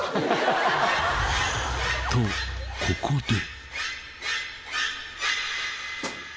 とここで。